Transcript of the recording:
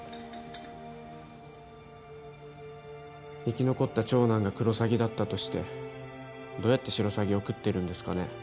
生き残った長男がクロサギだったとしてどうやってシロサギを喰ってるんですかね？